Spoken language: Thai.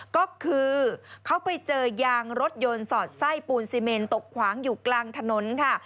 ก็คือเขาไปเจอยางรถยนต์สอดไส้ปูนซีเมนตกขวางอยู่กลางถนนค่ะ